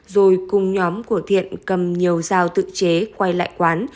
rồi cùng nhóm của thiện cầm nhiều dao tự chế quay lại quán